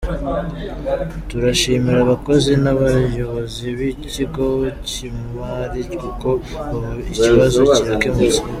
Turashimira abakozi n’abayobozi b’iki kigo cy’imari, kuko ubu ikibazo kirakemutse.